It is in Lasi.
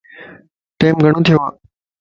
ٽيم گھڙو ٿيو ائي.